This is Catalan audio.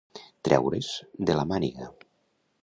Treure's de la màniga.